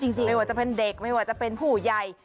ไม่ว่าจะเป็นเด็กไม่ว่าจะเป็นผู้ใหญ่